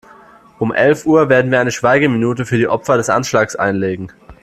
Um elf Uhr werden wir eine Schweigeminute für die Opfer des Anschlags einlegen.